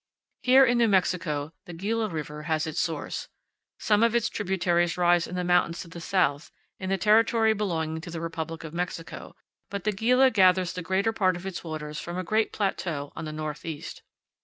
Here in New Mexico the Gila River has its source. Some of its tributaries rise in the mountains to the south, in the territory belonging to the republic of Mexico, but the Gila gathers the greater part of its waters from a great plateau on the northeast.